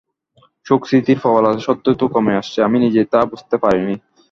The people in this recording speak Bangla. শোকস্মৃতির প্রবলতা সত্যই তো কমে আসছে- আমি নিজে তা বুঝতে পারি নি।